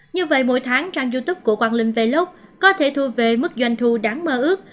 như vậy mỗi tháng trang youtube của quảng linh velox có thể thu về mức doanh thu đáng mơ ước